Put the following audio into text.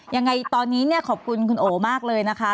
ยังไงตอนนี้เนี่ยขอบคุณคุณโอมากเลยนะคะ